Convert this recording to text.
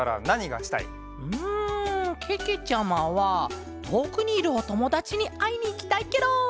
うんけけちゃまはとおくにいるおともだちにあいにいきたいケロ！